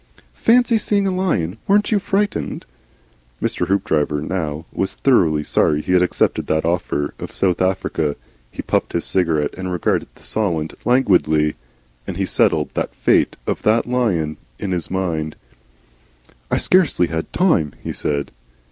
"Fancy seeing a lion! Weren't you frightened?" Mr. Hoopdriver was now thoroughly sorry he had accepted that offer of South Africa. He puffed his cigarette and regarded the Solent languidly as he settled the fate on that lion in his mind. "I scarcely had time," he said.